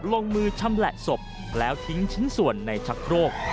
ลงมือชำแหละศพแล้วทิ้งชิ้นส่วนในชักโครก